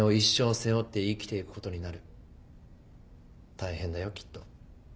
大変だよきっと。